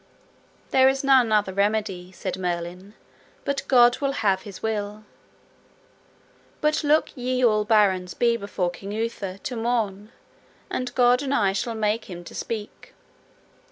There is none other remedy, said Merlin, but God will have his will. But look ye all barons be before King Uther to morn, and God and I shall make him to speak.